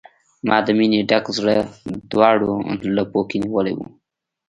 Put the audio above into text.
ما د مینې ډک زړه، دواړو لپو کې نیولی و